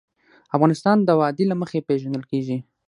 افغانستان د وادي له مخې پېژندل کېږي.